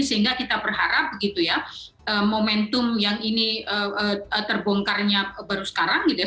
sehingga kita berharap begitu ya momentum yang ini terbongkarnya baru sekarang gitu ya